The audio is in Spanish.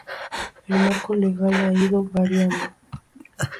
El marco legal ha ido variando.